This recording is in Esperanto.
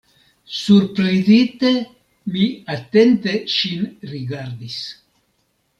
Surprizite, mi atente ŝin rigardis.